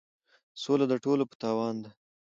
سوله د ټولو په تاوان ده.